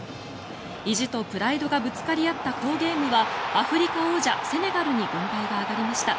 意地とプライドがぶつかり合った好ゲームはアフリカ王者セネガルに軍配が上がりました。